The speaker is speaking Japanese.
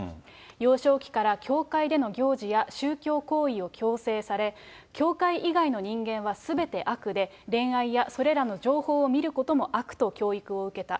幼少期から教会での行事や宗教行為を強制され、教会以外の人間は、すべて悪で、恋愛やそれらの情報を見ることも悪と教育を受けた。